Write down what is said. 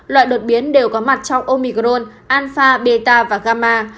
loại đột biến đều có mặt trong omicron alpha beta và gamma